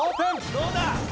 どうだ！